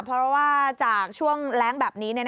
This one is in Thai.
เพราะว่าจากช่วงแรงแบบนี้